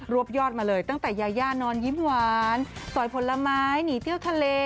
วบยอดมาเลยตั้งแต่ยาย่านอนยิ้มหวานสอยผลไม้หนีเที่ยวทะเล